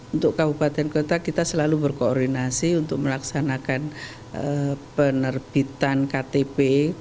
untuk kabupaten kota kita selalu berkoordinasi untuk melaksanakan penerbitan ktp